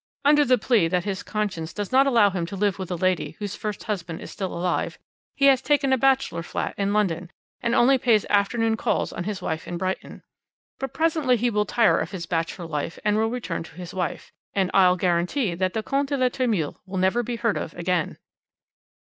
Under the plea that his conscience does not allow him to live with a lady whose first husband is still alive, he has taken a bachelor flat in London, and only pays afternoon calls on his wife in Brighton. But presently he will tire of his bachelor life, and will return to his wife. And I'll guarantee that the Comte de la Tremouille will never be heard of again."